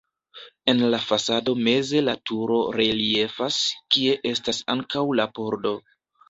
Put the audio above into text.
En la fasado meze la turo reliefas, kie estas ankaŭ la pordo.